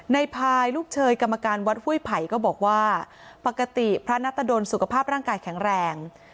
พายลูกเชยกรรมการวัดห้วยไผ่ก็บอกว่าปกติพระนัตรดลสุขภาพร่างกายแข็งแรง